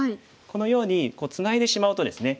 このようにツナいでしまうとですね